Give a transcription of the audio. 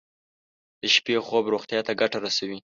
د شپې خوب روغتیا ته ګټه رسوي.